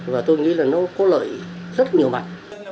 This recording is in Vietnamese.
và tôi nghĩ là nó có lợi rất nhiều mặt